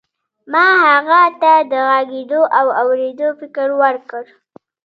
ما هغه ته د غږېدو او اورېدو فکر ورکړ.